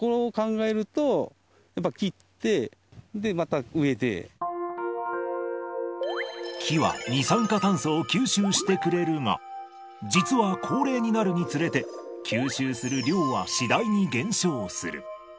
やっぱそこを木は二酸化炭素を吸収してくれるが、実は高齢になるにつれて、吸収する量は次第に減少する。